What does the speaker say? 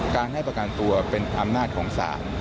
การให้ประกันตัวเป็นอำนาจของศาล